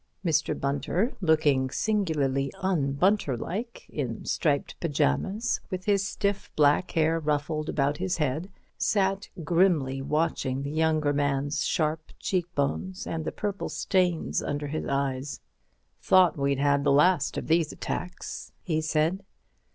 Mr. Bunter, looking singularly un Bunterlike in striped pyjamas, with his stiff black hair ruffled about his head, sat grimly watching the younger man's sharp cheekbones and the purple stains under his eyes. "Thought we'd had the last of these attacks," he said.